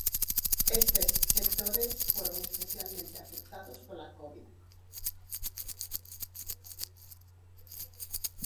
Estes sectores foron especialmente afectados pola covid.